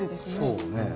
そうね。